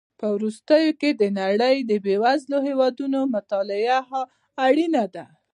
په وروستیو کې د نړۍ د بېوزلو هېوادونو مطالعه اړینه ده.